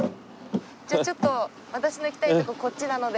じゃあちょっと私の行きたいとここっちなので。